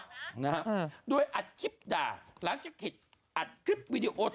ขึ้นขึ้นโอ้ยนะฮะมีแฟนกลับแหมแฟนกลับนี่ก็โอ้โห